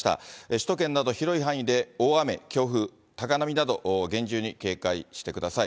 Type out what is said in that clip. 首都圏など広い範囲で大雨、強風、高波など厳重に警戒してください。